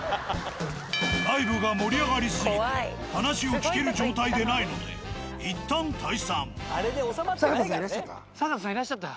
ライブが盛り上がり過ぎて話を聞ける状態でないので坂田さんいらっしゃった。